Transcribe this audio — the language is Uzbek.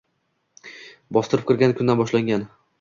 Bostirib kirgan kundan boshlangan